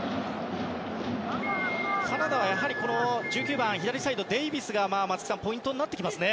カナダは１９番左サイドのデイビスが松木さんポイントになってきますね。